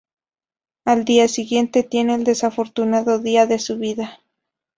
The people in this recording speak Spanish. Al día siguiente, tiene el desafortunado día de su vida.